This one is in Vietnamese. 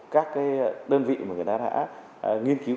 các cái đơn vị mà người ta đã nghiên cứu